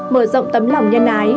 mở rộng tấm lòng nhân ái